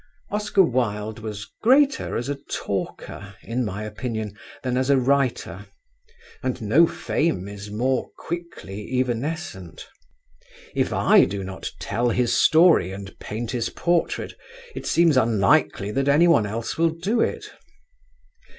Oscar Wilde was greater as a talker, in my opinion, than as a writer, and no fame is more quickly evanescent. If I do not tell his story and paint his portrait, it seems unlikely that anyone else will do it.